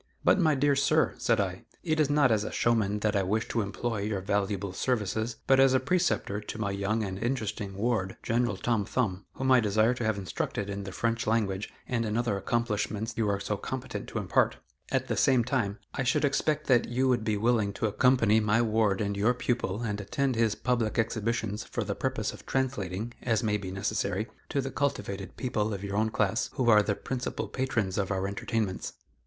"But, my dear sir," said I, "it is not as a showman that I wish to employ your valuable services, but as a preceptor to my young and interesting ward, General Tom Thumb, whom I desire to have instructed in the French language and in other accomplishments you are so competent to impart. At the same time, I should expect that you would be willing to accompany my ward and your pupil and attend his public exhibitions for the purpose of translating, as may be necessary, to the cultivated people of your own class who are the principal patrons of our entertainments."